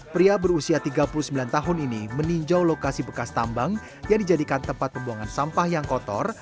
pria berusia tiga puluh sembilan tahun ini meninjau lokasi bekas tambang yang dijadikan tempat pembuangan sampah yang kotor